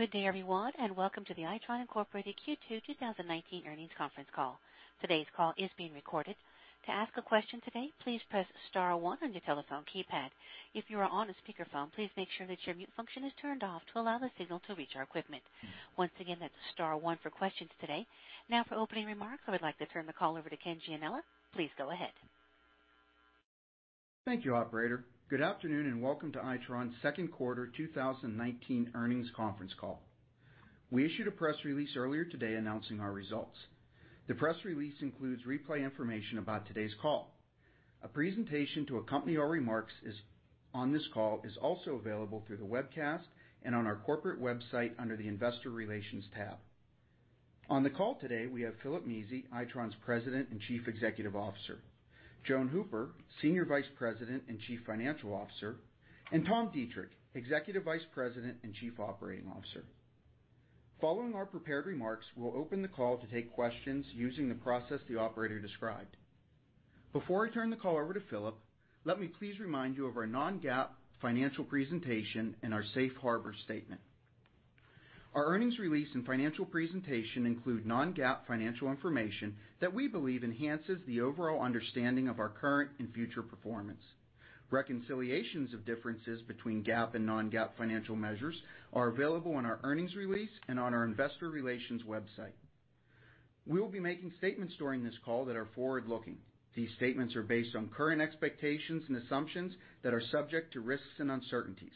Good day, everyone, welcome to the Itron, Inc. Q2 2019 earnings conference call. Today's call is being recorded. To ask a question today, please press star one on your telephone keypad. If you are on a speakerphone, please make sure that your mute function is turned off to allow the signal to reach our equipment. Once again, that's star one for questions today. Now for opening remarks, I would like to turn the call over to Ken Gianella. Please go ahead. Thank you, operator. Good afternoon, welcome to Itron's second quarter 2019 earnings conference call. We issued a press release earlier today announcing our results. The press release includes replay information about today's call. A presentation to accompany our remarks on this call is also available through the webcast and on our corporate website under the investor relations tab. On the call today, we have Philip Mezey, Itron's President and Chief Executive Officer, Joan Hooper, Senior Vice President and Chief Financial Officer, Tom Deitrich, Executive Vice President and Chief Operating Officer. Following our prepared remarks, we'll open the call to take questions using the process the operator described. Before I turn the call over to Philip, let me please remind you of our non-GAAP financial presentation and our safe harbor statement. Our earnings release and financial presentation include non-GAAP financial information that we believe enhances the overall understanding of our current and future performance. Reconciliations of differences between GAAP and non-GAAP financial measures are available on our earnings release and on our investor relations website. We will be making statements during this call that are forward-looking. These statements are based on current expectations and assumptions that are subject to risks and uncertainties.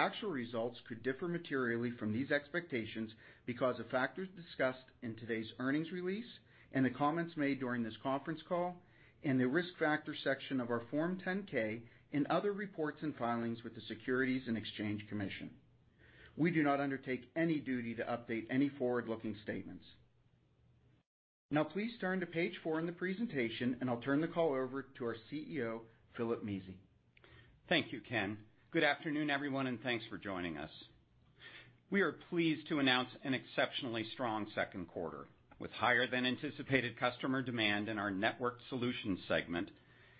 Actual results could differ materially from these expectations because of factors discussed in today's earnings release and the comments made during this conference call and the risk factor section of our Form 10-K and other reports and filings with the Securities and Exchange Commission. We do not undertake any duty to update any forward-looking statements. Now please turn to page four in the presentation, and I'll turn the call over to our CEO, Philip Mezey. Thank you, Ken. Good afternoon, everyone, and thanks for joining us. We are pleased to announce an exceptionally strong second quarter. With higher than anticipated customer demand in our Networked Solutions segment,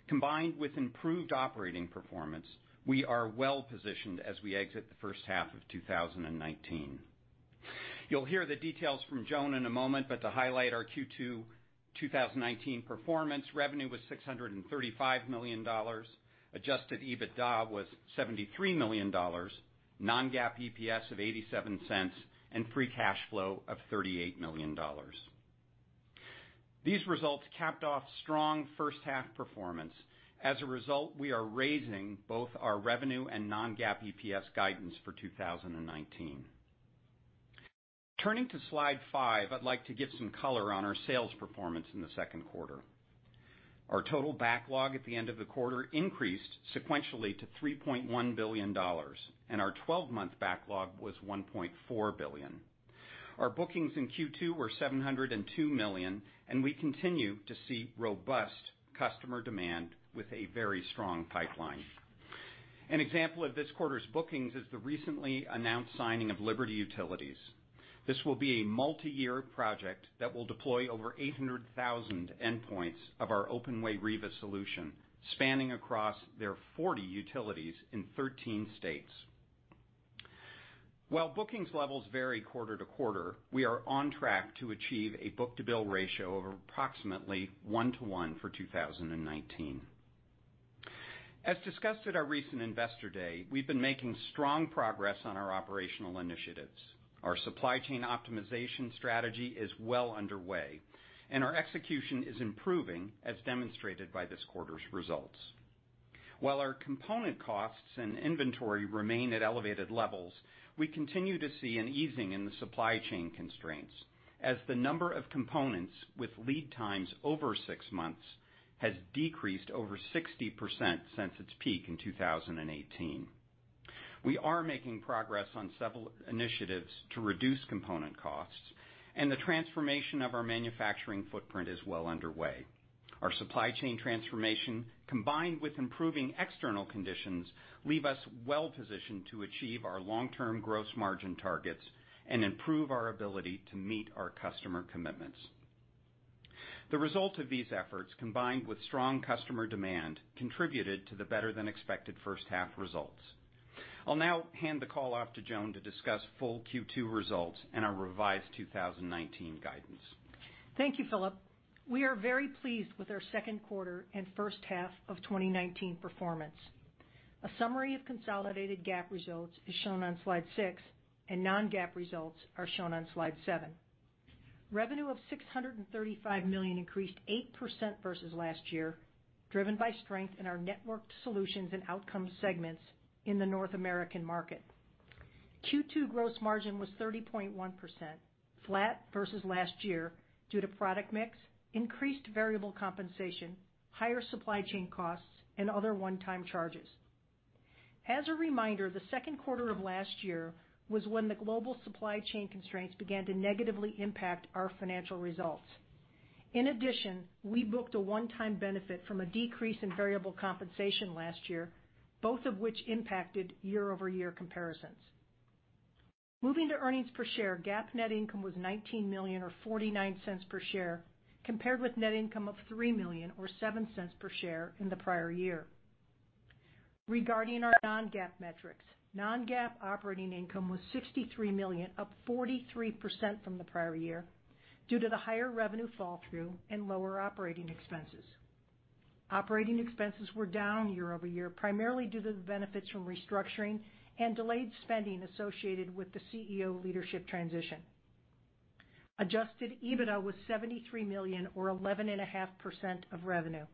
combined with improved operating performance, we are well-positioned as we exit the first half of 2019. You'll hear the details from Joan in a moment, but to highlight our Q2 2019 performance, revenue was $635 million. Adjusted EBITDA was $73 million, non-GAAP EPS of $0.87, and free cash flow of $38 million. These results capped off strong first half performance. We are raising both our revenue and non-GAAP EPS guidance for 2019. Turning to slide five, I'd like to give some color on our sales performance in the second quarter. Our total backlog at the end of the quarter increased sequentially to $3.1 billion, and our 12-month backlog was $1.4 billion. Our bookings in Q2 were $702 million, and we continue to see robust customer demand with a very strong pipeline. An example of this quarter's bookings is the recently announced signing of Liberty Utilities. This will be a multi-year project that will deploy over 800,000 endpoints of our OpenWay Riva solution, spanning across their 40 utilities in 13 states. While bookings levels vary quarter to quarter, we are on track to achieve a book-to-bill ratio of approximately one to one for 2019. As discussed at our recent Investor Day, we've been making strong progress on our operational initiatives. Our supply chain optimization strategy is well underway, and our execution is improving, as demonstrated by this quarter's results. While our component costs and inventory remain at elevated levels, we continue to see an easing in the supply chain constraints as the number of components with lead times over six months has decreased over 60% since its peak in 2018. We are making progress on several initiatives to reduce component costs, and the transformation of our manufacturing footprint is well underway. Our supply chain transformation, combined with improving external conditions, leave us well positioned to achieve our long-term gross margin targets and improve our ability to meet our customer commitments. The result of these efforts, combined with strong customer demand, contributed to the better-than-expected first-half results. I'll now hand the call off to Joan to discuss full Q2 results and our revised 2019 guidance. Thank you, Philip. We are very pleased with our second quarter and first half of 2019 performance. A summary of consolidated GAAP results is shown on slide six, and non-GAAP results are shown on slide seven. Revenue of $635 million increased 8% versus last year, driven by strength in our networked solutions and Outcomes segments in the North American market. Q2 gross margin was 30.1%, flat versus last year due to product mix, increased variable compensation, higher supply chain costs, and other one-time charges. As a reminder, the second quarter of last year was when the global supply chain constraints began to negatively impact our financial results. In addition, we booked a one-time benefit from a decrease in variable compensation last year, both of which impacted year-over-year comparisons. Moving to earnings per share, GAAP net income was $19 million, or $0.49 per share, compared with net income of $3 million, or $0.07 per share in the prior year. Regarding our non-GAAP metrics, non-GAAP operating income was $63 million, up 43% from the prior year due to the higher revenue fall-through and lower operating expenses. Operating expenses were down year-over-year, primarily due to the benefits from restructuring and delayed spending associated with the CEO leadership transition. Adjusted EBITDA was $73 million or 11.5% of revenue.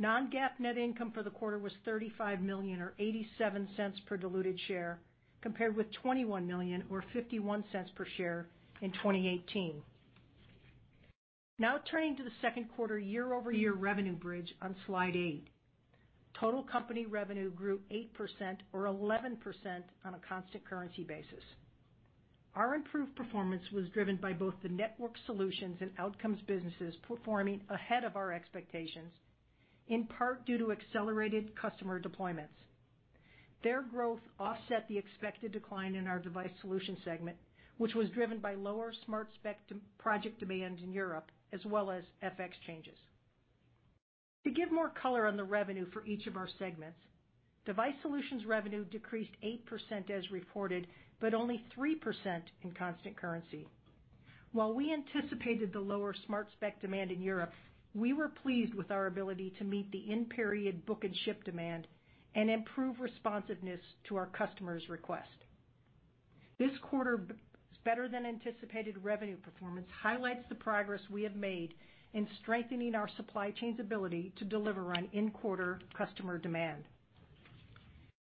Non-GAAP net income for the quarter was $35 million, or $0.87 per diluted share, compared with $21 million or $0.51 per share in 2018. Turning to the second quarter year-over-year revenue bridge on Slide 8. Total company revenue grew 8% or 11% on a constant currency basis. Our improved performance was driven by both the Networked Solutions and Outcomes businesses performing ahead of our expectations, in part due to accelerated customer deployments. Their growth offset the expected decline in our Device Solutions segment, which was driven by lower SmartSpec project demand in Europe as well as FX changes. To give more color on the revenue for each of our segments, Device Solutions revenue decreased 8% as reported, but only 3% in constant currency. While we anticipated the lower SmartSpec demand in Europe, we were pleased with our ability to meet the in-period book and ship demand and improve responsiveness to our customers' request. This quarter's better than anticipated revenue performance highlights the progress we have made in strengthening our supply chain's ability to deliver on in-quarter customer demand.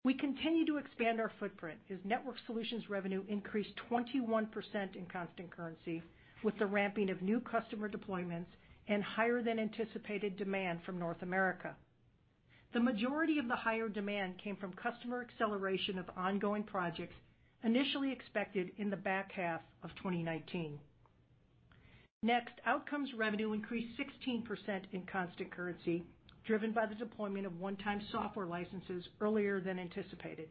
We continue to expand our footprint as Networked Solutions revenue increased 21% in constant currency with the ramping of new customer deployments and higher than anticipated demand from North America. The majority of the higher demand came from customer acceleration of ongoing projects initially expected in the back half of 2019. Next, Outcomes revenue increased 16% in constant currency, driven by the deployment of one-time software licenses earlier than anticipated.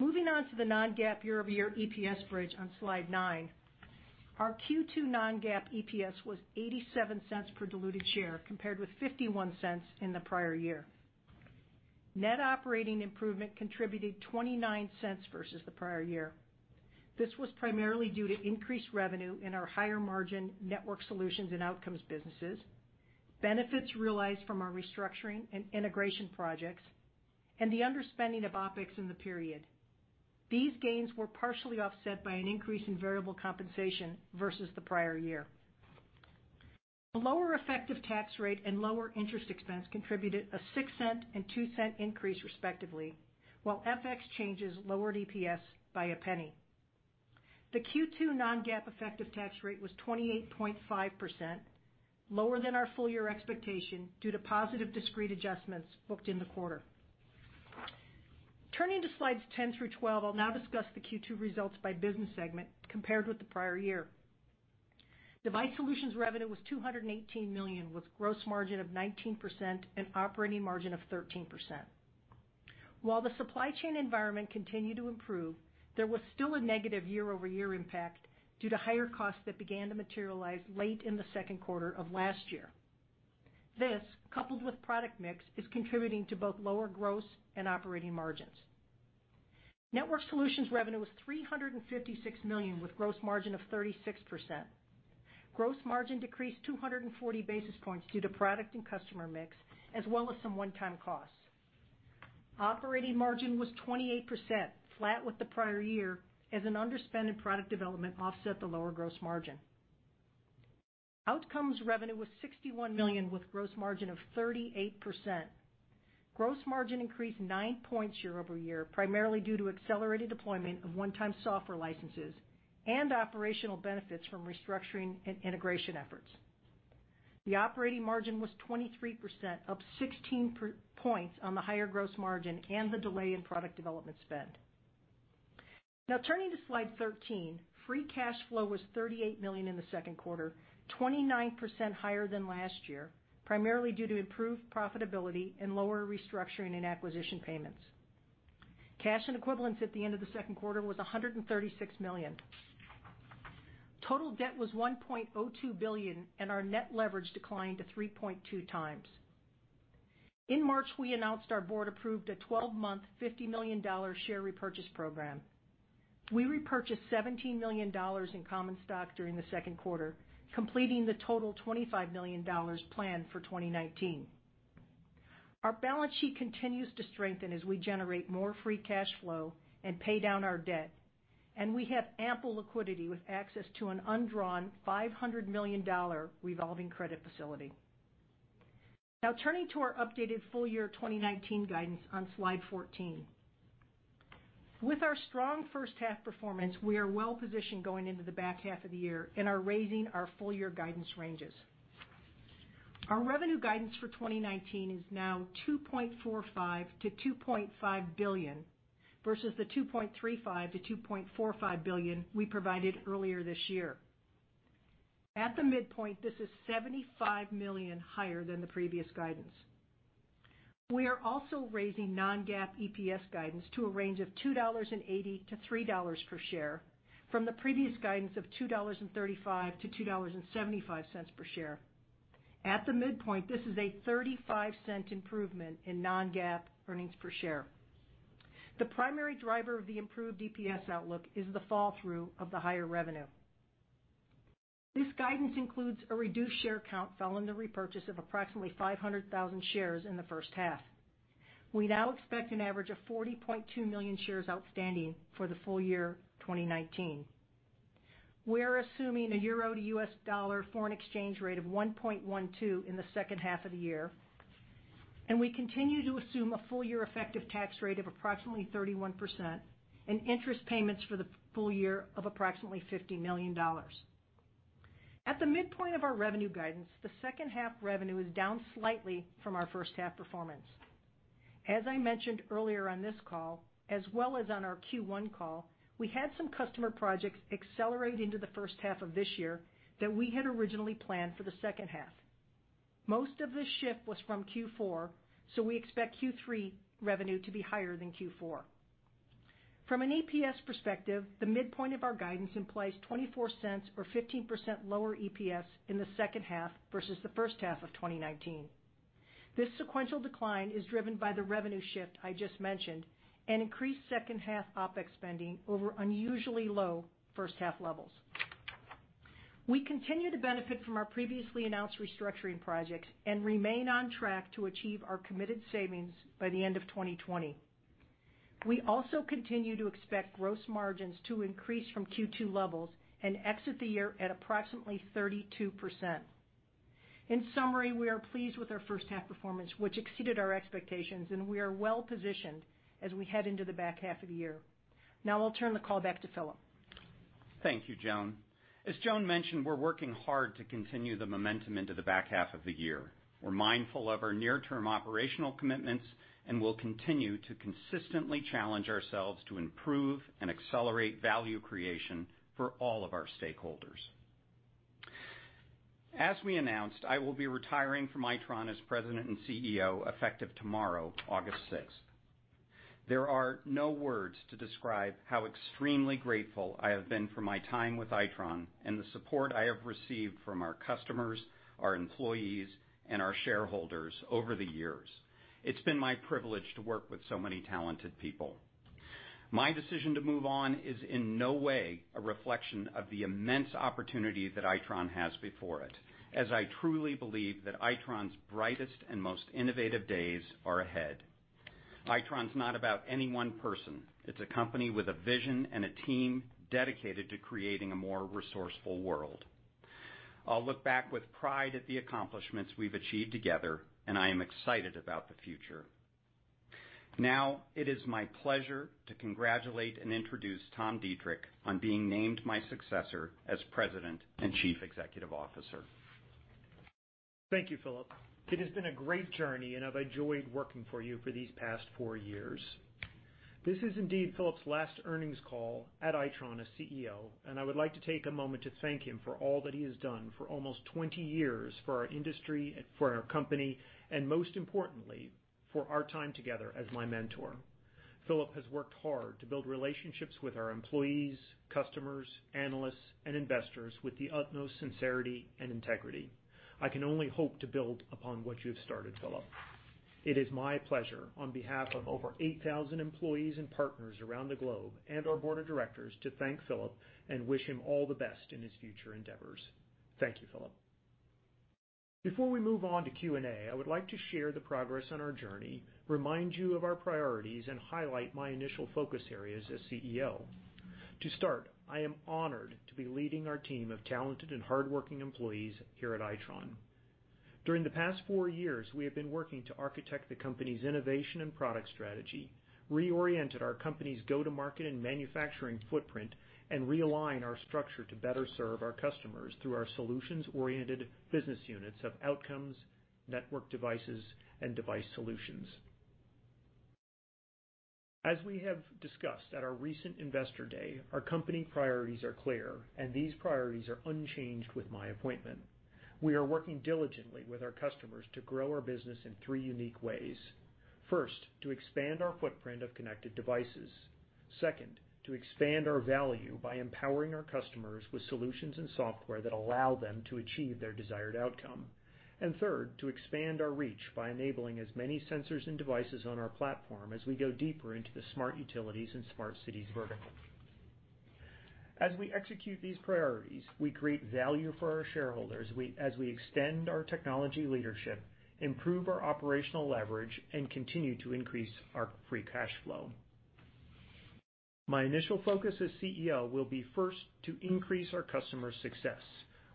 Moving on to the non-GAAP year-over-year EPS bridge on Slide nine. Our Q2 non-GAAP EPS was $0.87 per diluted share, compared with $0.51 in the prior year. Net operating improvement contributed $0.29 versus the prior year. This was primarily due to increased revenue in our higher margin Networked Solutions and Outcomes businesses, benefits realized from our restructuring and integration projects, and the underspending of OpEx in the period. These gains were partially offset by an increase in variable compensation versus the prior year. A lower effective tax rate and lower interest expense contributed a $0.06 and $0.02 increase respectively, while FX changes lowered EPS by $0.01. The Q2 non-GAAP effective tax rate was 28.5%, lower than our full year expectation due to positive discrete adjustments booked in the quarter. Turning to slides 10 through 12, I'll now discuss the Q2 results by business segment compared with the prior year. Device Solutions revenue was $218 million, with gross margin of 19% and operating margin of 13%. While the supply chain environment continued to improve, there was still a negative year-over-year impact due to higher costs that began to materialize late in the second quarter of last year. This, coupled with product mix, is contributing to both lower gross and operating margins. Networked Solutions revenue was $356 million, with gross margin of 36%. Gross margin decreased 240 basis points due to product and customer mix, as well as some one-time costs. Operating margin was 28%, flat with the prior year as an underspend in product development offset the lower gross margin. Outcomes revenue was $61 million with gross margin of 38%. Gross margin increased nine points year-over-year, primarily due to accelerated deployment of one-time software licenses and operational benefits from restructuring and integration efforts. The operating margin was 23%, up 16 points on the higher gross margin and the delay in product development spend. Turning to Slide 13, free cash flow was $38 million in the second quarter, 29% higher than last year, primarily due to improved profitability and lower restructuring and acquisition payments. Cash and equivalents at the end of the second quarter was $136 million. Total debt was $1.02 billion, our net leverage declined to 3.2 times. In March, we announced our board approved a 12-month, $50 million share repurchase program. We repurchased $17 million in common stock during the second quarter, completing the total $25 million planned for 2019. Our balance sheet continues to strengthen as we generate more free cash flow and pay down our debt, and we have ample liquidity with access to an undrawn $500 million revolving credit facility. Now turning to our updated full year 2019 guidance on Slide 14. With our strong first half performance, we are well positioned going into the back half of the year and are raising our full year guidance ranges. Our revenue guidance for 2019 is now $2.45 billion-$2.5 billion, versus the $2.35 billion-$2.45 billion we provided earlier this year. At the midpoint, this is $75 million higher than the previous guidance. We are also raising non-GAAP EPS guidance to a range of $2.80-$3 per share from the previous guidance of $2.35-$2.75 per share. At the midpoint, this is a $0.35 improvement in non-GAAP earnings per share. The primary driver of the improved EPS outlook is the fall-through of the higher revenue. This guidance includes a reduced share count following the repurchase of approximately 500,000 shares in the first half. We now expect an average of 40.2 million shares outstanding for the full year 2019. We are assuming a euro to U.S. dollar foreign exchange rate of 1.12 in the second half of the year, and we continue to assume a full-year effective tax rate of approximately 31% and interest payments for the full year of approximately $50 million. At the midpoint of our revenue guidance, the second half revenue is down slightly from our first half performance. As I mentioned earlier on this call, as well as on our Q1 call, we had some customer projects accelerate into the first half of this year that we had originally planned for the second half. Most of the shift was from Q4, so we expect Q3 revenue to be higher than Q4. From an EPS perspective, the midpoint of our guidance implies $0.24 or 15% lower EPS in the second half versus the first half of 2019. This sequential decline is driven by the revenue shift I just mentioned and increased second half OpEx spending over unusually low first half levels. We continue to benefit from our previously announced restructuring projects and remain on track to achieve our committed savings by the end of 2020. We also continue to expect gross margins to increase from Q2 levels and exit the year at approximately 32%. In summary, we are pleased with our first half performance, which exceeded our expectations, and we are well-positioned as we head into the back half of the year. I'll turn the call back to Philip. Thank you, Joan. As Joan mentioned, we're working hard to continue the momentum into the back half of the year. We're mindful of our near-term operational commitments and will continue to consistently challenge ourselves to improve and accelerate value creation for all of our stakeholders. As we announced, I will be retiring from Itron as President and CEO, effective tomorrow, August 6th. There are no words to describe how extremely grateful I have been for my time with Itron and the support I have received from our customers, our employees, and our shareholders over the years. It's been my privilege to work with so many talented people. My decision to move on is in no way a reflection of the immense opportunity that Itron has before it, as I truly believe that Itron's brightest and most innovative days are ahead. Itron's not about any one person. It's a company with a vision and a team dedicated to creating a more resourceful world. I'll look back with pride at the accomplishments we've achieved together, and I am excited about the future. Now, it is my pleasure to congratulate and introduce Tom Deitrich on being named my successor as President and Chief Executive Officer. Thank you, Philip. It has been a great journey, and I've enjoyed working for you for these past four years. This is indeed Philip's last earnings call at Itron as CEO, and I would like to take a moment to thank him for all that he has done for almost 20 years for our industry, for our company, and most importantly, for our time together as my mentor. Philip has worked hard to build relationships with our employees, customers, analysts, and investors with the utmost sincerity and integrity. I can only hope to build upon what you've started, Philip. It is my pleasure, on behalf of over 8,000 employees and partners around the globe and our board of directors, to thank Philip and wish him all the best in his future endeavors. Thank you, Philip. Before we move on to Q&A, I would like to share the progress on our journey, remind you of our priorities, and highlight my initial focus areas as CEO. To start, I am honored to be leading our team of talented and hardworking employees here at Itron. During the past four years, we have been working to architect the company's innovation and product strategy, reoriented our company's go-to-market and manufacturing footprint, and realign our structure to better serve our customers through our solutions-oriented business units of Outcomes, Networked Solutions, and Device Solutions. As we have discussed at our recent Investor Day, our company priorities are clear, and these priorities are unchanged with my appointment. We are working diligently with our customers to grow our business in three unique ways. First, to expand our footprint of connected devices. Second, to expand our value by empowering our customers with solutions and software that allow them to achieve their desired outcome. Third, to expand our reach by enabling as many sensors and devices on our platform as we go deeper into the smart utilities and smart cities vertical. As we execute these priorities, we create value for our shareholders as we extend our technology leadership, improve our operational leverage, and continue to increase our free cash flow. My initial focus as CEO will be first to increase our customers' success.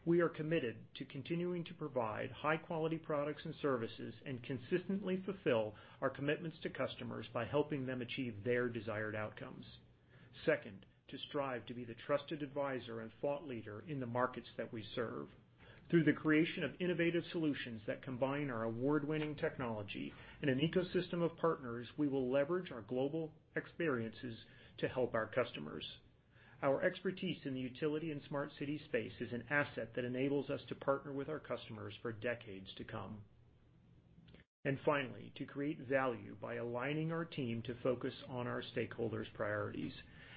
We are committed to continuing to provide high-quality products and services and consistently fulfill our commitments to customers by helping them achieve their desired outcomes. Second, to strive to be the trusted advisor and thought leader in the markets that we serve. Through the creation of innovative solutions that combine our award-winning technology and an ecosystem of partners, we will leverage our global experiences to help our customers. Our expertise in the utility and smart city space is an asset that enables us to partner with our customers for decades to come. Finally, to create value by aligning our team to focus on our stakeholders' priorities.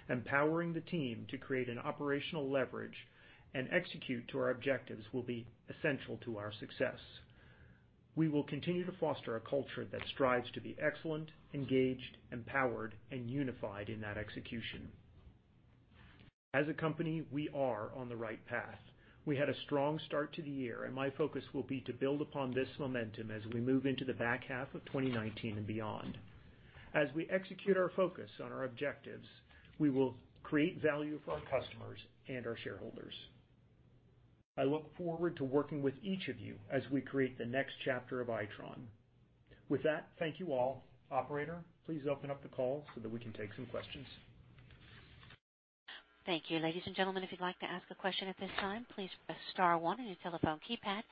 Empowering the team to create an operational leverage and execute to our objectives will be essential to our success. We will continue to foster a culture that strives to be excellent, engaged, empowered, and unified in that execution. As a company, we are on the right path. We had a strong start to the year, and my focus will be to build upon this momentum as we move into the back half of 2019 and beyond. As we execute our focus on our objectives, we will create value for our customers and our shareholders. I look forward to working with each of you as we create the next chapter of Itron. With that, thank you all. Operator, please open up the call so that we can take some questions. Thank you. Ladies and gentlemen, if you'd like to ask a question at this time, please press star one on your telephone keypad.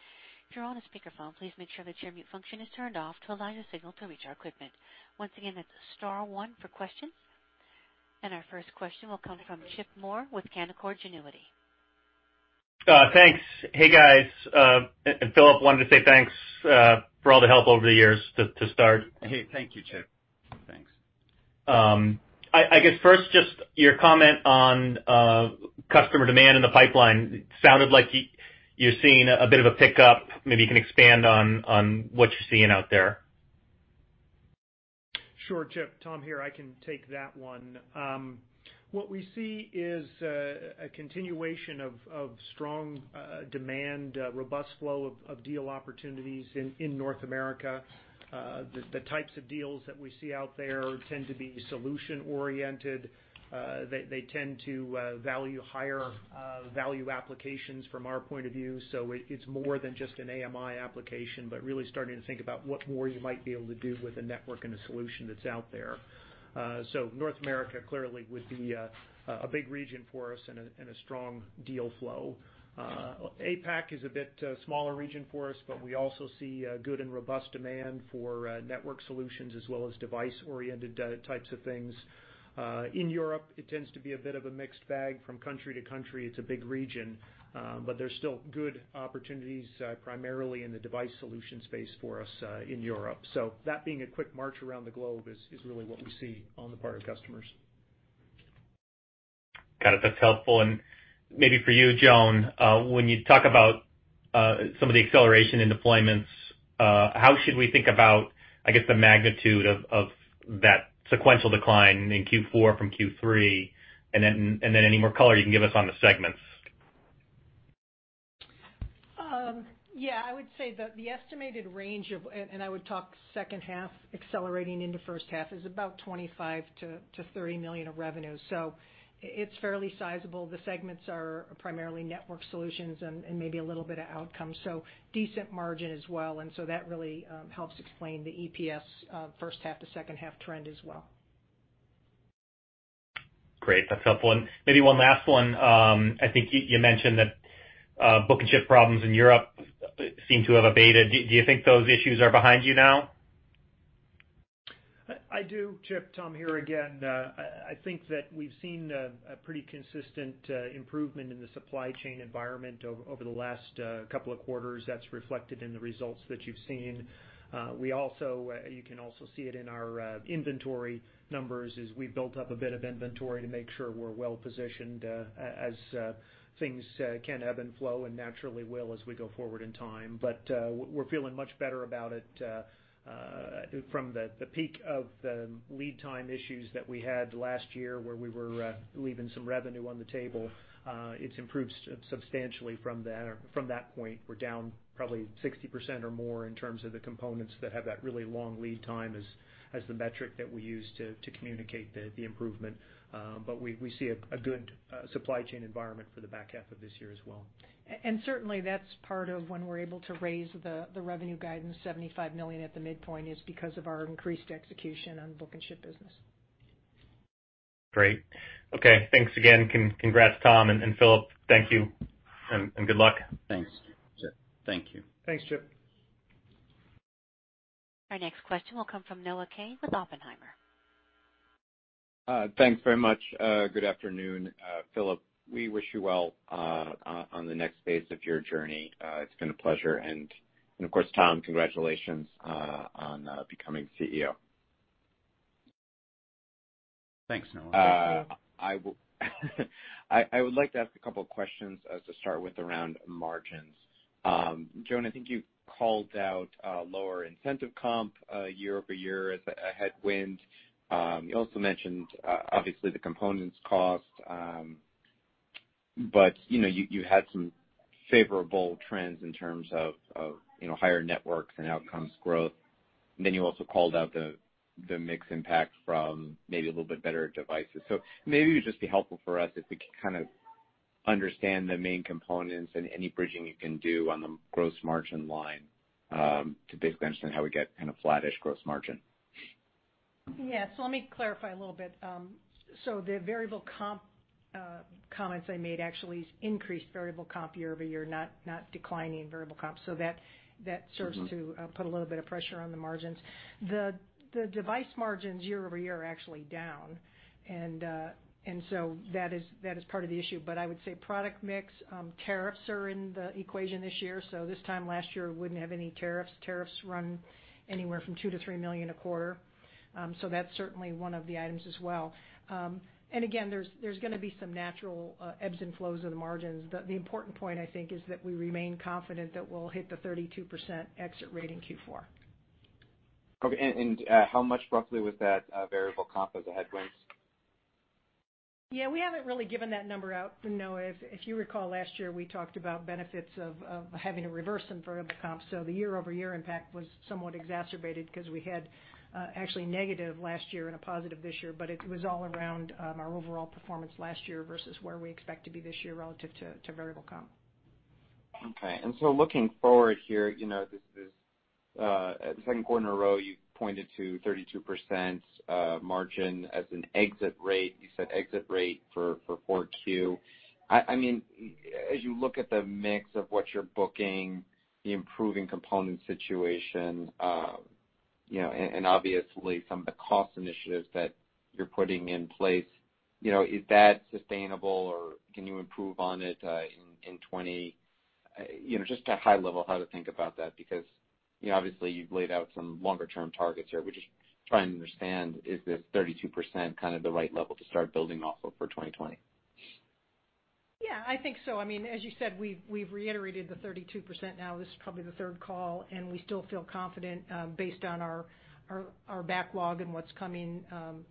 If you're on a speakerphone, please make sure that your mute function is turned off to allow your signal to reach our equipment. Once again, that's star one for questions. Our first question will come from Chip Moore with Canaccord Genuity. Thanks. Hey, guys. Philip, wanted to say thanks for all the help over the years to start. Hey. Thank you, Chip. Thanks. I guess first, just your comment on customer demand in the pipeline. It sounded like you're seeing a bit of a pickup. Maybe you can expand on what you're seeing out there? Sure, Chip. Tom here. I can take that one. What we see is a continuation of strong demand, a robust flow of deal opportunities in North America. The types of deals that we see out there tend to be solution-oriented. They tend to value higher value applications from our point of view. It's more than just an AMI application, but really starting to think about what more you might be able to do with a network and a solution that's out there. North America clearly would be a big region for us and a strong deal flow. APAC is a bit smaller region for us, but we also see good and robust demand for network solutions as well as device-oriented types of things. In Europe, it tends to be a bit of a mixed bag from country to country. It's a big region. There's still good opportunities, primarily in the Device Solutions space for us in Europe. That being a quick march around the globe is really what we see on the part of customers. Got it. That's helpful. Maybe for you, Joan, when you talk about some of the acceleration in deployments, how should we think about, I guess, the magnitude of that sequential decline in Q4 from Q3? Then any more color you can give us on the segments? Yeah. I would say that the estimated range of, and I would talk second half accelerating into first half, is about $25 million-$30 million of revenue. It's fairly sizable. The segments are primarily Networked Solutions and maybe a little bit of Outcomes. Decent margin as well. That really helps explain the EPS first half to second half trend as well. Great. That's helpful. Maybe one last one. I think you mentioned that book-and-ship problems in Europe seem to have abated. Do you think those issues are behind you now? I do, Chip. Tom here again. I think that we've seen a pretty consistent improvement in the supply chain environment over the last couple of quarters that's reflected in the results that you've seen. You can also see it in our inventory numbers as we built up a bit of inventory to make sure we're well-positioned, as things can ebb and flow and naturally will as we go forward in time. We're feeling much better about it from the peak of the lead time issues that we had last year, where we were leaving some revenue on the table. It's improved substantially from that point. We're down probably 60% or more in terms of the components that have that really long lead time as the metric that we use to communicate the improvement. We see a good supply chain environment for the back half of this year as well. Certainly, that's part of when we're able to raise the revenue guidance, $75 million at the midpoint, is because of our increased execution on book and ship business. Great. Okay. Thanks again. Congrats, Tom and Philip. Thank you, and good luck. Thanks. Chip. Thank you. Thanks, Chip. Our next question will come from Noah Kaye with Oppenheimer. Thanks very much. Good afternoon, Philip. We wish you well on the next phase of your journey. It's been a pleasure. Of course, Tom, congratulations on becoming CEO. Thanks, Noah. I would like to ask a couple questions as to start with around margins. Joan, I think you called out lower incentive comp year-over-year as a headwind. You also mentioned, obviously, the components cost. You had some favorable trends in terms of higher Networks and Outcomes growth. You also called out the mix impact from maybe a little bit better Devices. Maybe it would just be helpful for us if we could kind of understand the main components and any bridging you can do on the gross margin line to basically understand how we get kind of flat-ish gross margin. Yes. Let me clarify a little bit. The variable comp comments I made actually increased variable comp year-over-year, not declining variable comp. That serves to put a little bit of pressure on the margins. The Device margins year-over-year are actually down. That is part of the issue. I would say product mix, tariffs are in the equation this year. This time last year, we wouldn't have any tariffs. Tariffs run anywhere from $2 million-$3 million a quarter. That's certainly one of the items as well. Again, there's going to be some natural ebbs and flows of the margins. The important point, I think, is that we remain confident that we'll hit the 32% exit rate in Q4. Okay, how much roughly was that variable comp as a headwind? We haven't really given that number out, Noah. If you recall, last year, we talked about benefits of having to reverse some variable comps. The year-over-year impact was somewhat exacerbated because we had actually negative last year and a positive this year. It was all around our overall performance last year versus where we expect to be this year relative to variable comp. Okay. Looking forward here, this is the second quarter in a row you pointed to 32% margin as an exit rate. You said exit rate for 4Q. As you look at the mix of what you're booking, the improving component situation, and obviously some of the cost initiatives that you're putting in place, is that sustainable, or can you improve on it in 2020? Just at a high level, how to think about that, because obviously you've laid out some longer-term targets here. We're just trying to understand, is this 32% kind of the right level to start building off of for 2020? Yeah, I think so. As you said, we've reiterated the 32% now. This is probably the third call, and we still feel confident based on our backlog and what's coming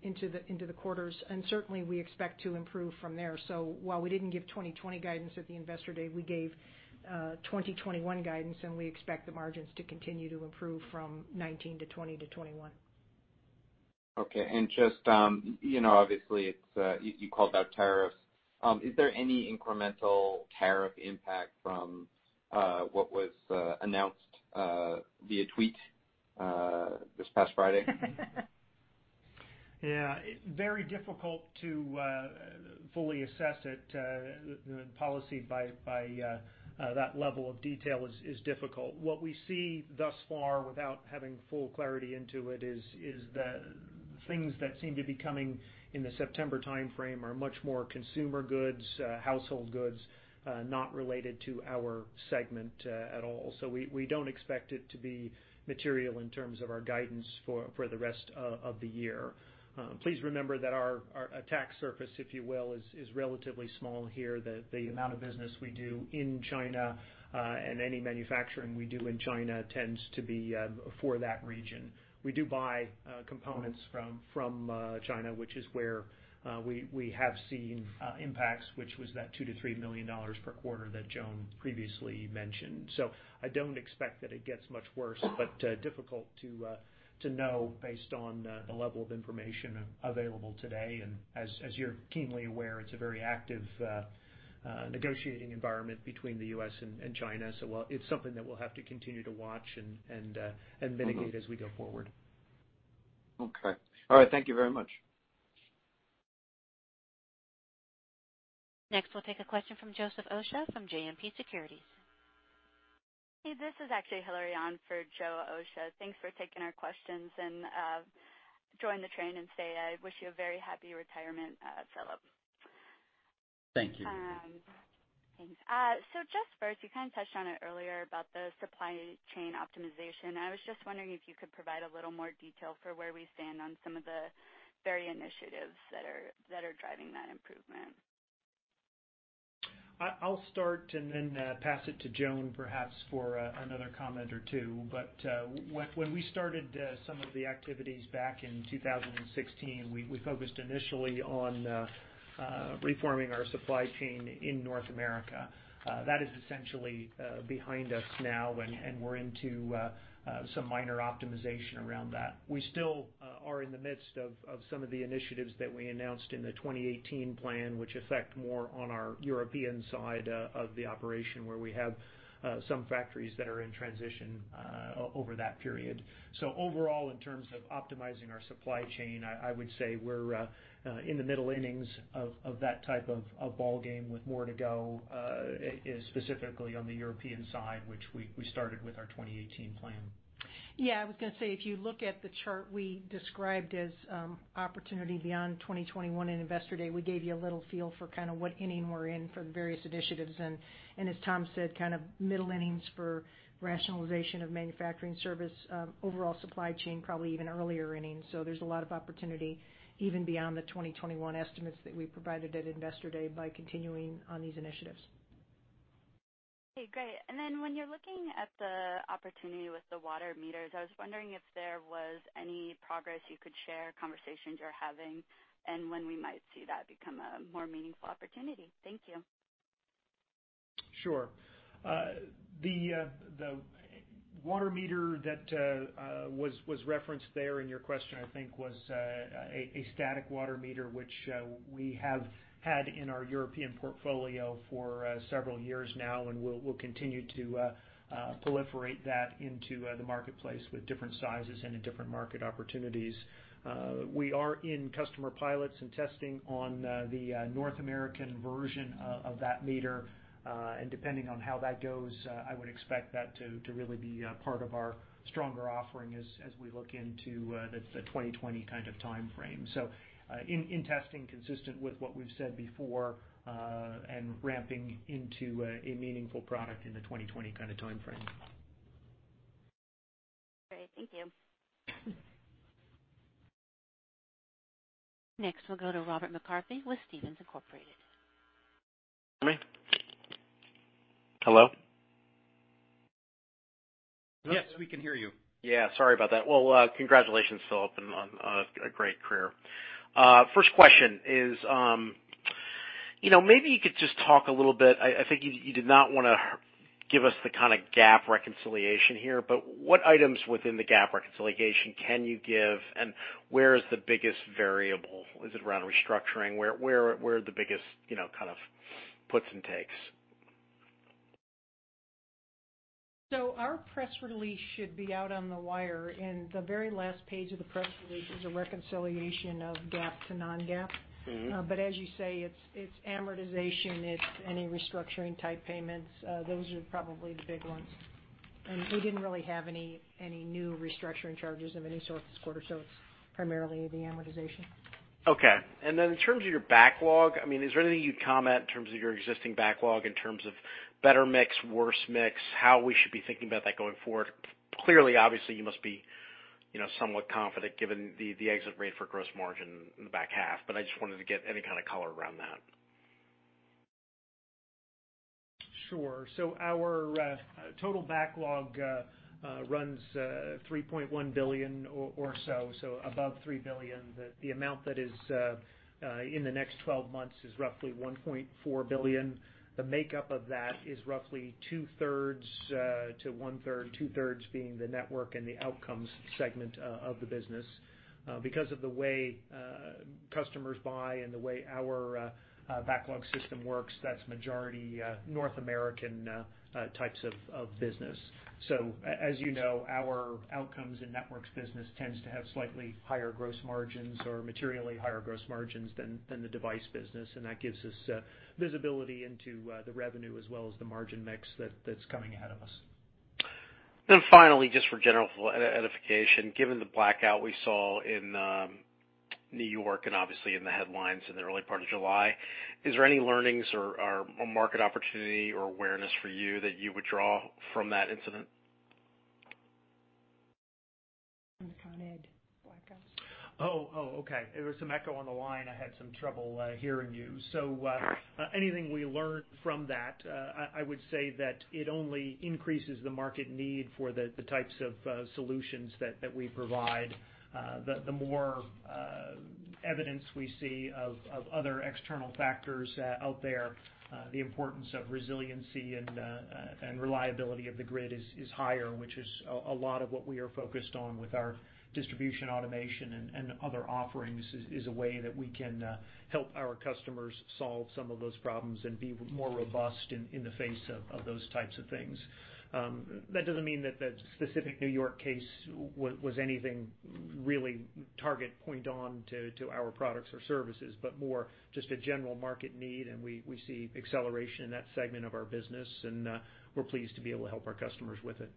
into the quarters. Certainly, we expect to improve from there. While we didn't give 2020 guidance at the Investor Day, we gave 2021 guidance, and we expect the margins to continue to improve from 2019 to 2020 to 2021. Okay. Just obviously, you called out tariffs. Is there any incremental tariff impact from what was announced via tweet this past Friday? Yeah. Very difficult to fully assess it. Policy by that level of detail is difficult. What we see thus far without having full clarity into it is the things that seem to be coming in the September timeframe are much more consumer goods, household goods, not related to our segment at all. We don't expect it to be material in terms of our guidance for the rest of the year. Please remember that our attack surface, if you will, is relatively small here. The amount of business we do in China and any manufacturing we do in China tends to be for that region. We do buy components from China, which is where we have seen impacts, which was that $2 million-$3 million per quarter that Joan previously mentioned. I don't expect that it gets much worse, but difficult to know based on the level of information available today. As you're keenly aware, it's a very active negotiating environment between the U.S. and China. It's something that we'll have to continue to watch and mitigate as we go forward. Okay. All right. Thank you very much. Next, we'll take a question from Joe Osha from JMP Securities. Hey, this is actually Hilary on for Joe Osha. Thanks for taking our questions, and join the refrain and say I wish you a very happy retirement, Philip. Thank you. Thanks. Just first, you kind of touched on it earlier about the supply chain optimization. I was just wondering if you could provide a little more detail for where we stand on some of the very initiatives that are driving that improvement. I'll start and then pass it to Joan, perhaps, for another comment or two. When we started some of the activities back in 2016, we focused initially on reforming our supply chain in North America. That is essentially behind us now, and we're into some minor optimization around that. We still are in the midst of some of the initiatives that we announced in the 2018 plan, which affect more on our European side of the operation, where we have some factories that are in transition over that period. Overall, in terms of optimizing our supply chain, I would say we're in the middle innings of that type of ballgame with more to go, specifically on the European side, which we started with our 2018 plan. Yeah, I was going to say, if you look at the chart we described as opportunity beyond 2021 in Investor Day, we gave you a little feel for kind of what inning we're in for the various initiatives. As Tom said, kind of middle innings for rationalization of manufacturing service. Overall supply chain, probably even earlier innings. There's a lot of opportunity even beyond the 2021 estimates that we provided at Investor Day by continuing on these initiatives. Okay, great. When you're looking at the opportunity with the water meters, I was wondering if there was any progress you could share, conversations you're having, and when we might see that become a more meaningful opportunity. Thank you. Sure. The water meter that was referenced there in your question, I think was a static water meter, which we have had in our European portfolio for several years now, and we will continue to proliferate that into the marketplace with different sizes and in different market opportunities. We are in customer pilots and testing on the North American version of that meter. Depending on how that goes, I would expect that to really be a part of our stronger offering as we look into the 2020 timeframe. In testing consistent with what we have said before, and ramping into a meaningful product in the 2020 timeframe. Great. Thank you. Next, we'll go to Robert McCarthy with Stephens Inc. Can you hear me? Hello? Yes, we can hear you. Yeah, sorry about that. Well, congratulations, Philip, on a great career. First question is, maybe you could just talk a little bit, I think you did not want to give us the kind of GAAP reconciliation here, but what items within the GAAP reconciliation can you give, and where is the biggest variable? Is it around restructuring? Where are the biggest kind of puts and takes? Our press release should be out on the wire, and the very last page of the press release is a reconciliation of GAAP to non-GAAP. As you say, it's amortization, it's any restructuring-type payments. Those are probably the big ones. We didn't really have any new restructuring charges of any sort this quarter, so it's primarily the amortization. Okay. Then in terms of your backlog, is there anything you'd comment in terms of your existing backlog in terms of better mix, worse mix, how we should be thinking about that going forward? Clearly, obviously, you must be somewhat confident given the exit rate for gross margin in the back half, I just wanted to get any kind of color around that. Sure. Our total backlog runs $3.1 billion or so, above $3 billion. The amount that is in the next 12 months is roughly $1.4 billion. The makeup of that is roughly two-thirds to one-third, two-thirds being the network and the Outcomes segment of the business. Because of the way customers buy and the way our backlog system works, that's majority North American types of business. As you know, our Outcomes and networks business tends to have slightly higher gross margins or materially higher gross margins than the device business. That gives us visibility into the revenue as well as the margin mix that's coming out of us. Finally, just for general edification, given the blackout we saw in New York and obviously in the headlines in the early part of July, is there any learnings or market opportunity or awareness for you that you would draw from that incident? From the Consolidated Edison blackout? Okay. There was some echo on the line. I had some trouble hearing you. Anything we learned from that, I would say that it only increases the market need for the types of solutions that we provide. The more evidence we see of other external factors out there, the importance of resiliency and reliability of the grid is higher, which is a lot of what we are focused on with our distribution automation and other offerings is a way that we can help our customers solve some of those problems and be more robust in the face of those types of things. That doesn't mean that the specific New York case was anything really target point on to our products or services, but more just a general market need. We see acceleration in that segment of our business. We're pleased to be able to help our customers with it.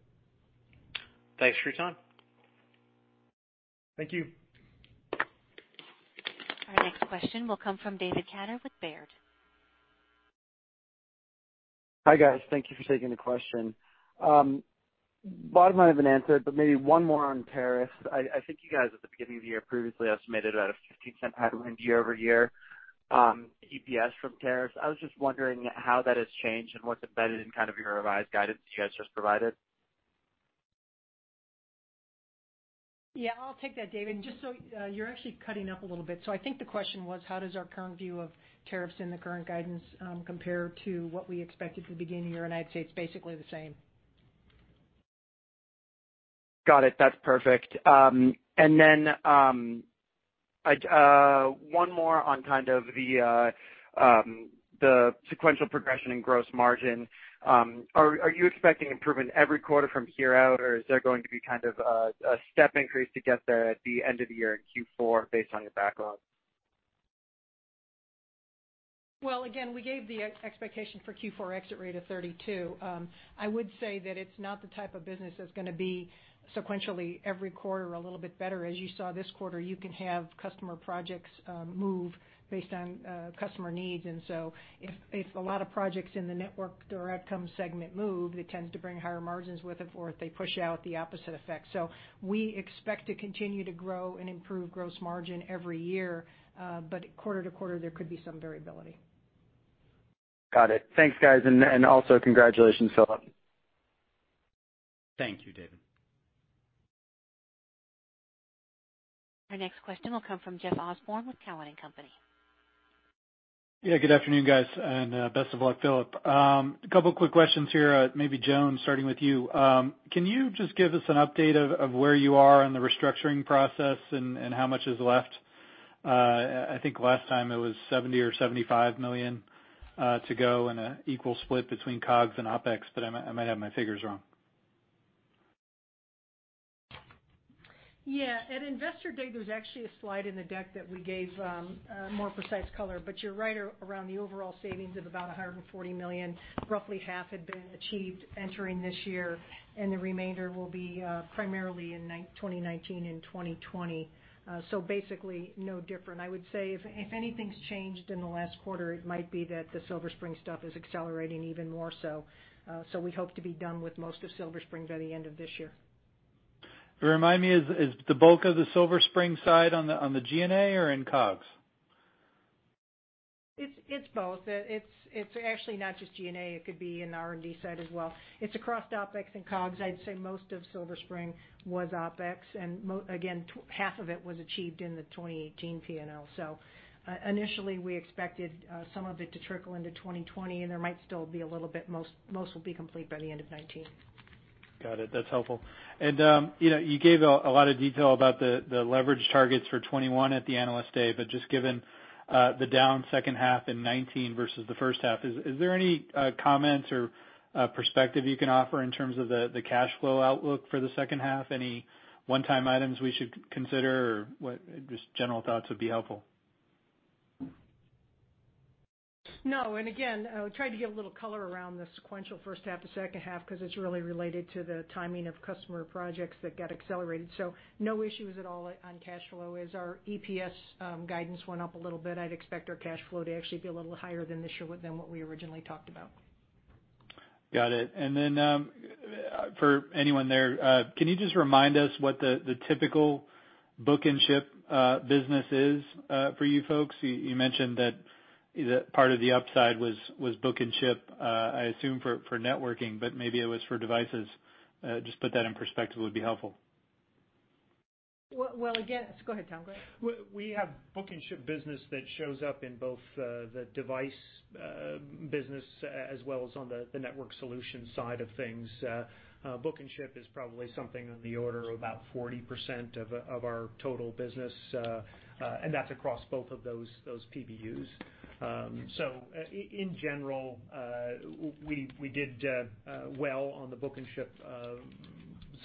Thanks for your time. Thank you. Our next question will come from David Katter with Baird. Hi, guys. Thank you for taking the question. Bottom line has been answered, but maybe one more on tariffs. I think you guys at the beginning of the year previously estimated about a $0.15 headwind year-over-year EPS from tariffs. I was just wondering how that has changed and what's embedded in kind of your revised guidance you guys just provided. Yeah, I'll take that, David. You're actually cutting up a little bit. I think the question was how does our current view of tariffs in the current guidance compare to what we expected at the beginning of the year, and I'd say it's basically the same. Got it. That's perfect. Then, one more on kind of the sequential progression in gross margin. Are you expecting improvement every quarter from here out, or is there going to be kind of a step increase to get there at the end of the year in Q4 based on your backlog? Well, again, we gave the expectation for Q4 exit rate of 32%. I would say that it's not the type of business that's going to be sequentially every quarter a little bit better. As you saw this quarter, you can have customer projects move based on customer needs. If a lot of projects in the Networked Solutions or Outcomes segment move, it tends to bring higher margins with it, or if they push out, the opposite effect. We expect to continue to grow and improve gross margin every year. Quarter to quarter, there could be some variability. Got it. Thanks, guys, and also congratulations, Philip. Thank you, David. Our next question will come from Jeff Osborne with Cowen and Company. Yeah, good afternoon, guys, and best of luck, Philip. A couple quick questions here, maybe Joan, starting with you. Can you just give us an update of where you are in the restructuring process and how much is left? I think last time it was $70 or $75 million to go in an equal split between COGS and OpEx, but I might have my figures wrong. Yeah. At Investor Day, there's actually a slide in the deck that we gave more precise color, but you're right around the overall savings of about $140 million. Roughly half had been achieved entering this year, and the remainder will be primarily in 2019 and 2020. Basically, no different. I would say if anything's changed in the last quarter, it might be that the Silver Spring stuff is accelerating even more so. We hope to be done with most of Silver Spring by the end of this year. Remind me, is the bulk of the Silver Spring side on the G&A or in COGS? It's both. It's actually not just G&A, it could be in the R&D side as well. It's across OpEx and COGS. I'd say most of Silver Spring was OpEx, and again, half of it was achieved in the 2018 P&L. Initially, we expected some of it to trickle into 2020, and there might still be a little bit, most will be complete by the end of 2019. Got it. That's helpful. You gave a lot of detail about the leverage targets for 2021 at the Analyst Day, but just given the down second half in 2019 versus the first half, is there any comments or perspective you can offer in terms of the cash flow outlook for the second half? Any one-time items we should consider, or just general thoughts would be helpful. No, again, I tried to give a little color around the sequential first half to second half because it's really related to the timing of customer projects that got accelerated. No issues at all on cash flow. As our EPS guidance went up a little bit, I'd expect our cash flow to actually be a little higher than what we originally talked about. Got it. For anyone there, can you just remind us what the typical book and ship business is for you folks? You mentioned that part of the upside was book and ship, I assume for Networked Solutions, but maybe it was for Device Solutions. Just put that in perspective would be helpful. Well, Go ahead, Tom. We have book and ship business that shows up in both the device business as well as on the network solution side of things. Book and ship is probably something on the order of about 40% of our total business, that's across both of those PBUs. In general, we did well on the book and ship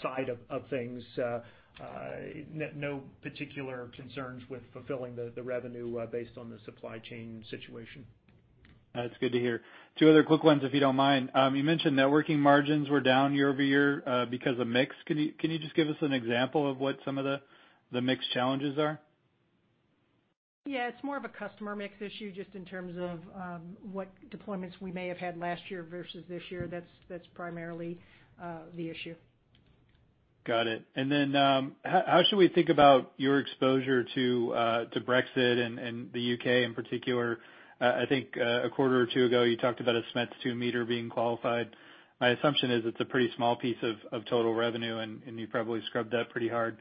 side of things. No particular concerns with fulfilling the revenue based on the supply chain situation. That's good to hear. Two other quick ones, if you don't mind. You mentioned Networked margins were down year-over-year because of mix. Can you just give us an example of what some of the mix challenges are? It's more of a customer mix issue just in terms of what deployments we may have had last year versus this year. That's primarily the issue. Got it. How should we think about your exposure to Brexit and the U.K. in particular? I think a quarter or two ago, you talked about a SMETS2 meter being qualified. My assumption is it's a pretty small piece of total revenue, and you probably scrubbed that pretty hard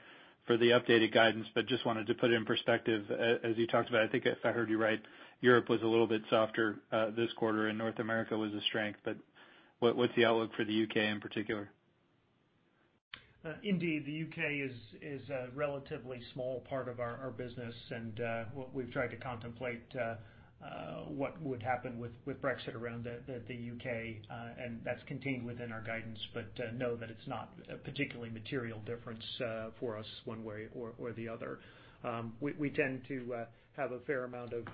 for the updated guidance, but just wanted to put it in perspective as you talked about, I think, if I heard you right, Europe was a little bit softer this quarter, and North America was a strength, but what's the outlook for the U.K. in particular? Indeed, the U.K. is a relatively small part of our business. We've tried to contemplate what would happen with Brexit around the U.K. That's contained within our guidance, know that it's not a particularly material difference for us one way or the other. We tend to have a fair amount of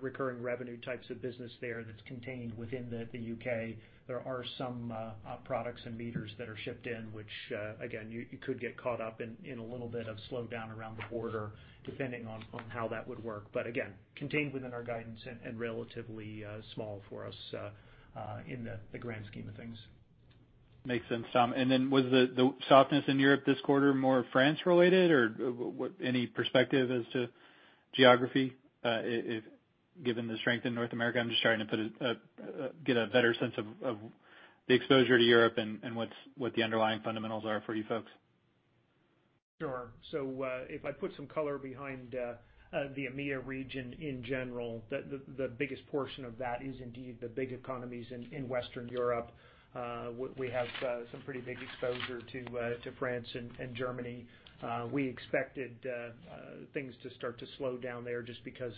recurring revenue types of business there that's contained within the U.K. There are some products and meters that are shipped in, which again, you could get caught up in a little bit of slowdown around the border depending on how that would work. Again, contained within our guidance and relatively small for us in the grand scheme of things. Makes sense, Tom. Was the softness in Europe this quarter more France-related or any perspective as to geography given the strength in North America? I'm just trying to get a better sense of the exposure to Europe and what the underlying fundamentals are for you folks. Sure. If I put some color behind the EMEA region in general, the biggest portion of that is indeed the big economies in Western Europe. We have some pretty big exposure to France and Germany. We expected things to start to slow down there just because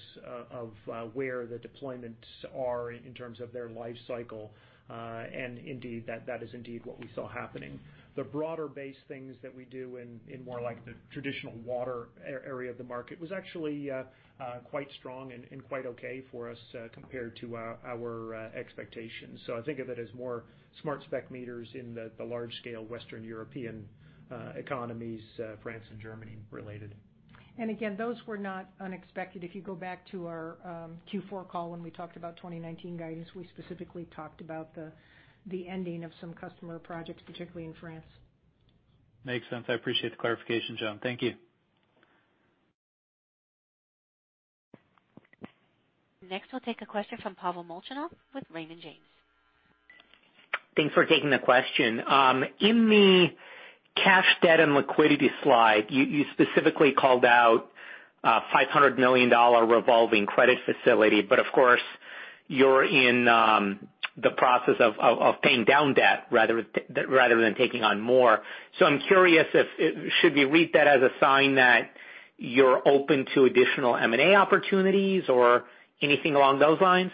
of where the deployments are in terms of their life cycle. Indeed, that is indeed what we saw happening. The broader-based things that we do in more like the traditional water area of the market was actually quite strong and quite okay for us compared to our expectations. I think of it as more SmartSpec meters in the large-scale Western European economies, France and Germany related. Again, those were not unexpected. If you go back to our Q4 call, when we talked about 2019 guidance, we specifically talked about the ending of some customer projects, particularly in France. Makes sense. I appreciate the clarification, Joan. Thank you. Next, we'll take a question from Pavel Molchanov with Raymond James. Thanks for taking the question. In the cash, debt, and liquidity slide, you specifically called out a $500 million revolving credit facility. Of course, you're in the process of paying down debt rather than taking on more. I'm curious, should we read that as a sign that you're open to additional M&A opportunities or anything along those lines?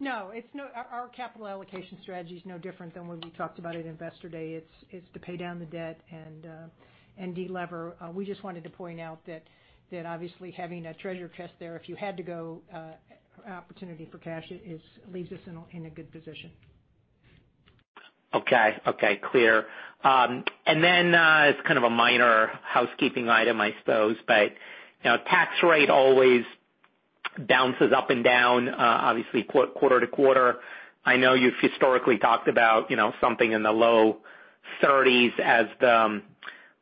No, our capital allocation strategy is no different than when we talked about at Investor Day. It is to pay down the debt and de-lever. We just wanted to point out that obviously having a treasure chest there, if you had to go, opportunity for cash leaves us in a good position. Okay. Clear. As kind of a minor housekeeping item, I suppose, but tax rate always bounces up and down, obviously, quarter to quarter. I know you've historically talked about something in the low 30s as the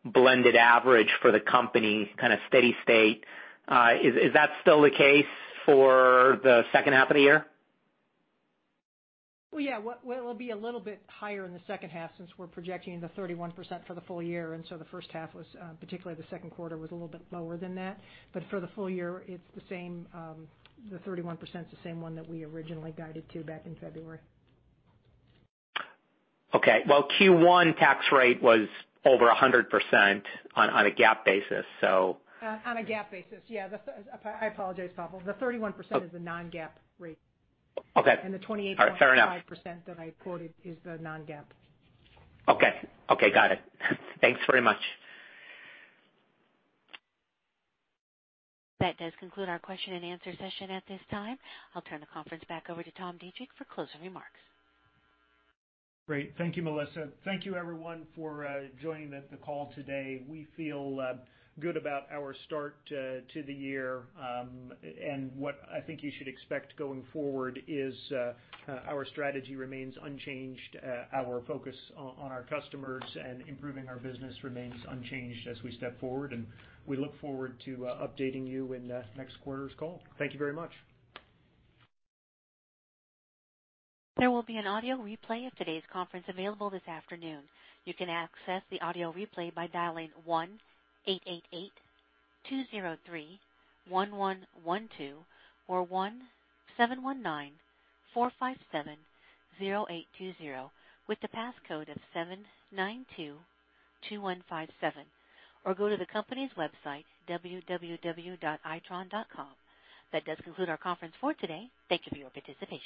blended average for the company, kind of steady state. Is that still the case for the second half of the year? Well, yeah. Well, it'll be a little bit higher in the second half since we're projecting the 31% for the full year, and so the first half was, particularly the second quarter, was a little bit lower than that. For the full year, the 31% is the same one that we originally guided to back in February. Well, Q1 tax rate was over 100% on a GAAP basis. On a GAAP basis, yeah. I apologize, Pavel. The 31% is the non-GAAP rate. Okay. The 28.5%. All right. Fair enough. percent that I quoted is the non-GAAP. Okay. Got it. Thanks very much. That does conclude our question and answer session at this time. I'll turn the conference back over to Tom Deitrich for closing remarks. Great. Thank you, Melissa. Thank you everyone for joining the call today. We feel good about our start to the year, and what I think you should expect going forward is our strategy remains unchanged. Our focus on our customers and improving our business remains unchanged as we step forward, and we look forward to updating you in the next quarter's call. Thank you very much. There will be an audio replay of today's conference available this afternoon. You can access the audio replay by dialing 1-888-203-1112 or 1-719-457-0820 with the passcode of 7922157, or go to the company's website, www.itron.com. That does conclude our conference for today. Thank you for your participation.